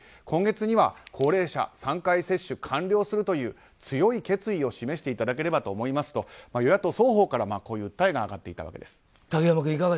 今月には、高齢者は３回接種完了するという強い決意を示していただければと思いますと与野党双方から、こういう訴えが上がっていたわけです。